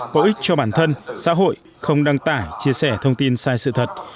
có ích cho bản thân xã hội không đăng tải chia sẻ thông tin sai sự thật